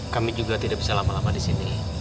kami juga tidak bisa lama lama disini